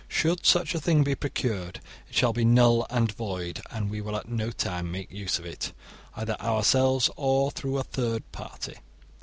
Should such a thing be procured, it shall be null and void and we will at no time make use of it, either ourselves or through a third party.